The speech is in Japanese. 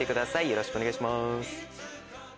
よろしくお願いします。